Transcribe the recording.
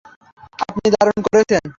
আপনি দারুণ করেছেন!